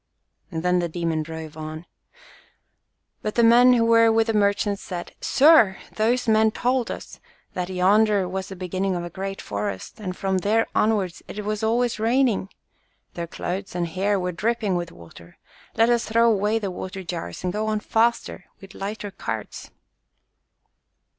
Then the demon drove on. But the men who were with the merchant said, "Sir ! those men told us that yonder was the beginning of a great forest, and from there onwards it was always raining. Their clothes and hair were dripping with water. Let us throw away the water jars and go on faster with lighter carts